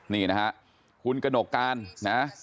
นี่นะฮะคุณกระหนกการนะ